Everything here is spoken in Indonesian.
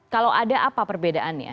kalau ada apa perbedaannya